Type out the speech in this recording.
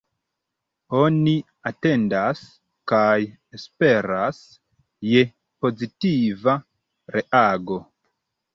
Oni atendas kaj esperas je pozitiva reago.